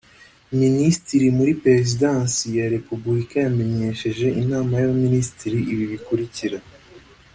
a) Minisitiri muri Perezidansi ya Repubulika yamenyesheje Inama y’Abaminisitiri ibi bikurikira